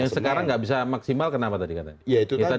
yang sekarang nggak bisa maksimal kenapa tadi katanya